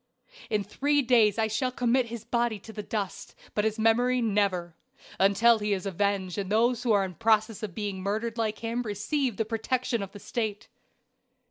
"In three days I shall commit his body to the dust; but his memory never until he is avenged and those who are in process of being murdered like him receive the protection of the State.